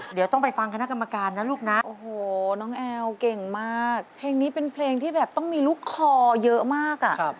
เดี๋ยวต้องไปฟังคณะกรรมการนะลูกนะโอ้โหน้องแอลเก่งมากเพลงนี้เป็นเพลงที่แบบต้องมีลูกคอเยอะมากอ่ะ